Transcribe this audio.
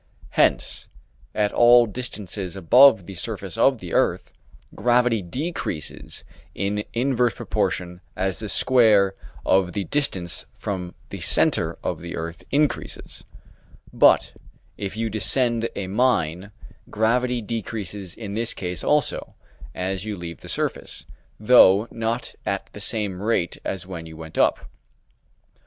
Hence, at all distances above the surface of the earth, gravity decreases in inverse proportion as the square of the distance from the centre of the earth increases; but, if you descend a mine, gravity decreases in this case also as you leave the surface, though not at the same rate as when you went up.